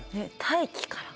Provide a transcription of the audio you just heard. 大気から？